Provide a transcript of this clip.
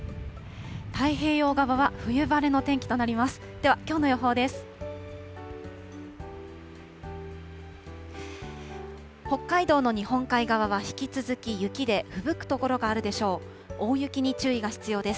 太平洋側は冬晴れの天気となります。